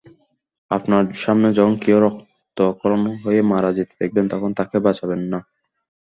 আপনার সামনে যখন কেউ রক্তক্ষরণ হয়ে মারা যেতে দেখবেন, তখন তাঁকে বাঁচাবেন না?